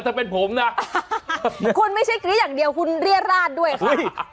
ถ้าเป็นผมนะคุณไม่ใช่กรี๊ดอย่างเดียวคุณเรียราชด้วยค่ะ